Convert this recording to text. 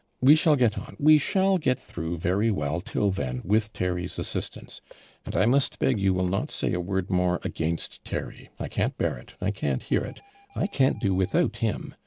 We shall get on, we shall get through, very well, till then, with Terry's assistance. And I must beg you will not say a word more against Terry I can't bear it I can't hear it I can't do without him.